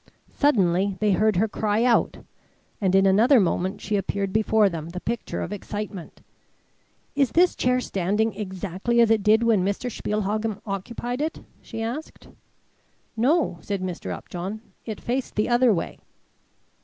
Suddenly they heard her cry out, and in another moment she appeared before them, the picture of excitement. "Is this chair standing exactly as it did when Mr. Spielhagen occupied it?" she asked. "No," said Mr. Upjohn, "it faced the other way."